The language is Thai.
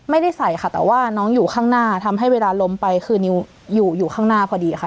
ไม่ได้ใส่ค่ะแต่ว่าน้องอยู่ข้างหน้าทำให้เวลาล้มไปคือนิวอยู่ข้างหน้าพอดีค่ะ